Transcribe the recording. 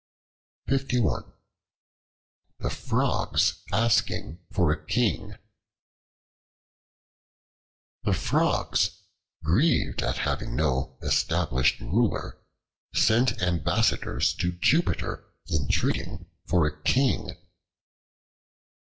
The Frogs Asking for a King THE FROGS, grieved at having no established Ruler, sent ambassadors to Jupiter entreating for a King.